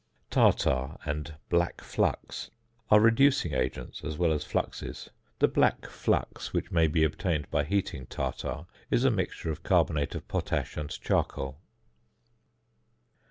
~Tartar~ and "black flux," are reducing agents as well as fluxes. The "black flux," which may be obtained by heating tartar, is a mixture of carbonate of potash and charcoal.